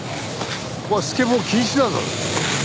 ここはスケボー禁止だぞ。